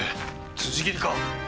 辻斬りか！